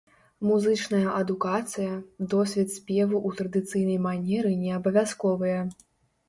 Музычная адукацыя, досвед спеву ў традыцыйнай манеры не абавязковыя.